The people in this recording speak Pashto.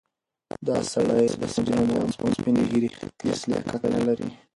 دا سړی د سپینو جامو او سپینې ږیرې هیڅ لیاقت نه لري.